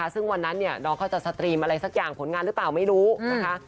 ซึ่งวันนั้นน้องเขาจะสตรีมอะไรสักอย่างผลงานหรือเปล่าไม่รู้นะคะ